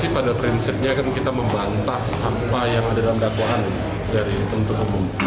pada prinsipnya kan kita membantah apa yang ada dalam dakwaan dari penuntut umum